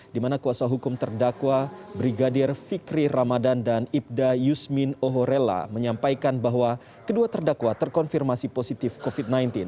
di mana kuasa hukum terdakwa brigadir fikri ramadan dan ibda yusmin ohorela menyampaikan bahwa kedua terdakwa terkonfirmasi positif covid sembilan belas